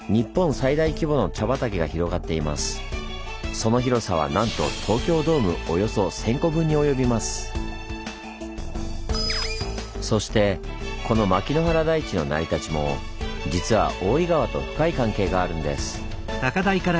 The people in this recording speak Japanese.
その広さはなんとそしてこの牧之原台地の成り立ちも実は大井川と深い関係があるんです。